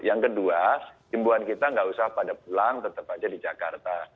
yang kedua timbuan kita nggak usah pada pulang tetap aja di jakarta